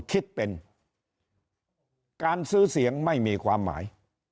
คิดเป็นการซื้อเสียงไม่มีความหมาย